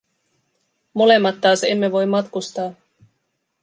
Molemmat taas emme voi matkustaa.